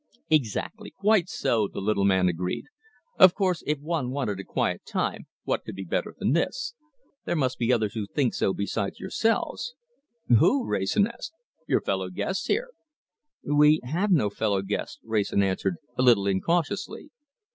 "Exactly! Quite so!" the little man agreed. "Of course, if one wanted a quiet time, what could be better than this? There must be others who think so besides yourselves." "Who?" Wrayson asked. "Your fellow guests here." "We have no fellow guests," Wrayson answered, a little incautiously.